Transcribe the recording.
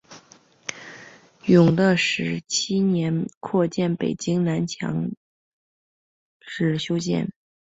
永乐十七年扩建北京南城墙时修建。